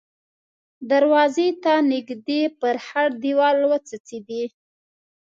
دروازې ته نږدې پر خړ دېوال وڅڅېدې.